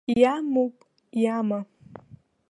Иамоуп, иама.